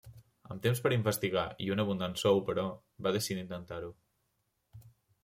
Amb temps per investigar i un abundant sou, però, va decidir intentar-ho.